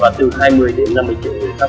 và từ hai mươi đến năm mươi triệu người khác